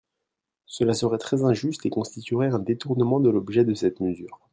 Cela serait très injuste et constituerait un détournement de l’objet de cette mesure.